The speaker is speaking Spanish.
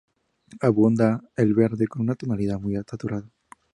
Abunda el verde, con una tonalidad muy saturada.